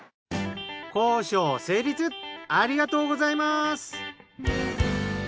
交渉成立ありがとうございます。